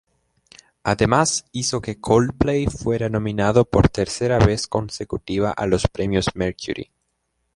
Además, hizo que Coldplay fuera nominado por tercera vez consecutiva a los premios Mercury.